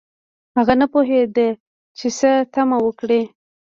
هغه نه پوهیده چې څه تمه وکړي